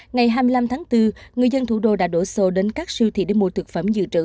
ngày hai mươi năm tháng bốn người dân thủ đô đã đổ xô đến các siêu thị để mua thực phẩm dự trữ